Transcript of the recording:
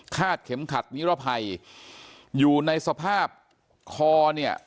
เข็มขัดนิรภัยอยู่ในสภาพคอเนี่ย